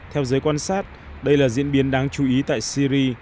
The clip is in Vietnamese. theo giới quan sát đây là diễn biến đáng chú ý tại syri